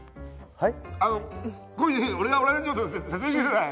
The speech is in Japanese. はい。